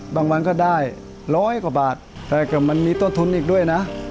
วันก็ได้ร้อยกว่าบาทแต่ก็มันมีต้นทุนอีกด้วยนะ